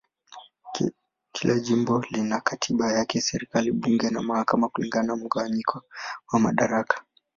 Kila jimbo lina katiba yake, serikali, bunge na mahakama kulingana na mgawanyo wa madaraka.